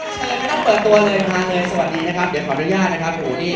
เชิญไม่ต้องเปิดตัวเลยมาเลยสวัสดีนะครับเดี๋ยวขออนุญาตนะครับ